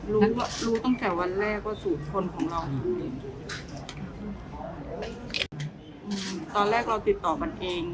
รู้รู้ตั้งแต่วันแรกว่าสูตรคนของเราทำเองอืมตอนแรกเราติดต่อมันเอง